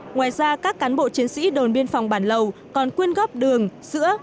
ngoài ra các cán bộ chiến sĩ đồn biên phòng bản lầu còn quyên góp đường sữa